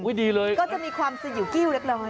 ดีเลยก็จะมีความสยิวกิ้วเล็กน้อย